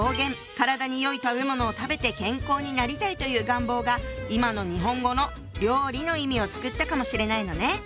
「体によい食べものを食べて健康になりたい！」という願望が今の日本語の「料理」の意味を作ったかもしれないのね。